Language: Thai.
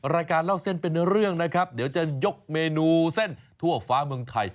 รายการเล่าเส้นเป็นเรื่องนะครับเดี๋ยวจะยกเมนูเส้นทั่วฟ้าเมืองไทย